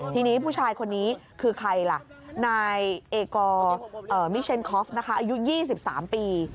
ทีนี้ผู้ชายคนนี้คือใครล่ะนายเอกอร์มิเชนคอฟนะคะอายุ๒๓ปี